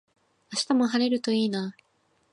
明日も晴れるといいな